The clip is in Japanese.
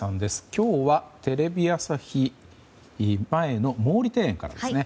今日はテレビ朝日前の毛利庭園からですね。